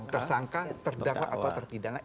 tersangka terdakwa atau terpidana